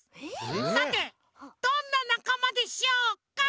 さてどんななかまでしょうか？